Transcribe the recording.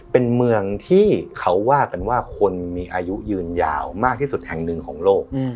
เป็นเมืองที่เขาว่ากันว่าคนมีอายุยืนยาวมากที่สุดแห่งหนึ่งของโลก